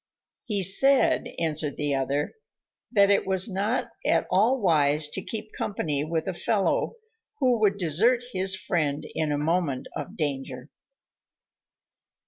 "He said," answered the other, "that it was not at all wise to keep company with a fellow who would desert his friend in a moment of danger."